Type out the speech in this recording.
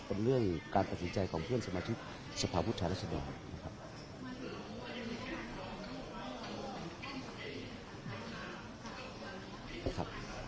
เป็นเรื่องการตัดสินใจของเพื่อนสมาชิกสภาพผู้แทนรัศดรนะครับ